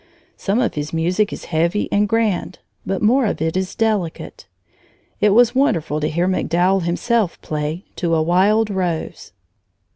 Some of his music is heavy and grand, but more of it is delicate. It was wonderful to hear MacDowell himself play "To a Wild Rose."